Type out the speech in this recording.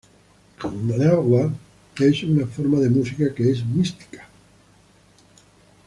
Gnawa es una forma de música que es mística.